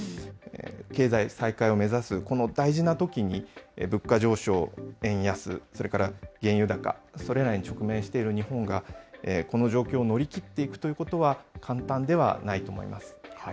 経済再開を目指すこの大事なときに、物価上昇、円安、それから原油高、それらに直面している日本が、この状況を乗り切っていくということは、簡単ではないと思います。